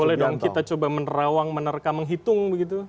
boleh dong kita coba menerawang menerka menghitung begitu